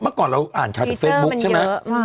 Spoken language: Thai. เมื่อก่อนเราอ่านข่าวจากเฟซบุ๊คใช่ไหม